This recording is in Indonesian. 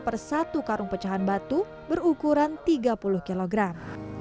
per satu karung pecahan batu berukuran tiga puluh kilogram